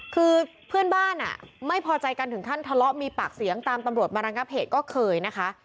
คือเพื่อนบ้านไม่พอใจกันถึงขั้นทะเลาะมีปากเสียงตามตำรวจมาระงับเหตุก็เคยนะคะ